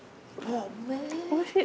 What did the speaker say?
おいしい！